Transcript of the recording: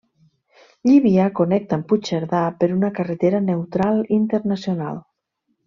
Llívia connecta amb Puigcerdà per una carretera neutral internacional.